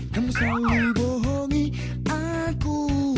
kamu selalu bohongi aku